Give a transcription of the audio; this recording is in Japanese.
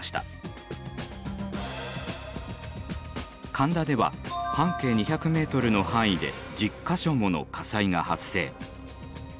神田では半径２００ｍの範囲で１０か所もの火災が発生。